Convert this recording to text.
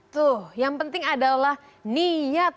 tuh yang penting adalah niat